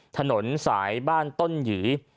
ถนนสายบ้านต้นหยี